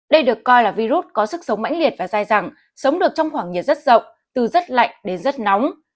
đây được coi là virus có sức sống mãnh liệt và dai dẳng sống được trong khoảng nhiệt rất rộng từ rất lạnh đến rất nóng